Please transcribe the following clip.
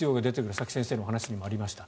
さっき先生のお話にもありました